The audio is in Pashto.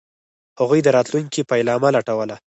هغوی د راتلونکي پلمه لټوله.